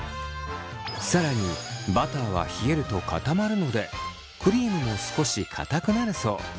更にバターは冷えると固まるのでクリームも少しかたくなるそう。